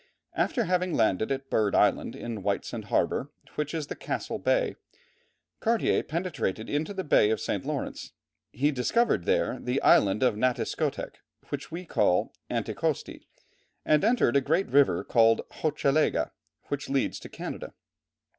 After having landed at Bird Island, in Whitesand harbour, which is in Castle Bay, Cartier penetrated into the Bay of St. Lawrence. He discovered there the Island of Natiscotec which we call Anticosti, and entered a great river called Hochelaga, which leads to Canada.